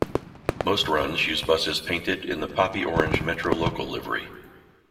Most runs use buses painted in the poppy-orange Metro Local livery.